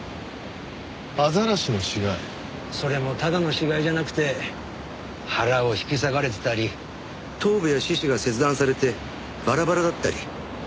それもただの死骸じゃなくて腹を引き裂かれてたり頭部や四肢が切断されてバラバラだったり。